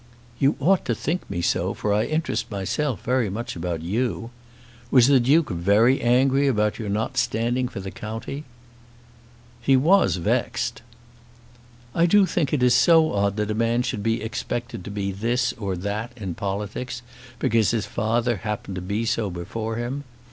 "You ought to think me so, for I interest myself very much about you. Was the Duke very angry about your not standing for the county?" "He was vexed." "I do think it is so odd that a man should be expected to be this or that in politics because his father happened to be so before him!